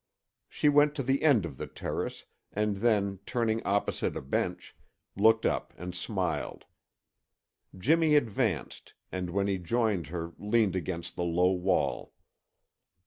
She went to the end of the terrace, and then turning opposite a bench, looked up and smiled. Jimmy advanced and when he joined her leaned against the low wall.